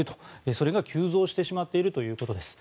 それが急増してしまっているということです。